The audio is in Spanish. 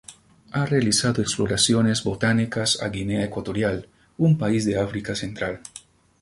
Ha realizado exploraciones botánicas a Guinea Ecuatorial, un país de África Central.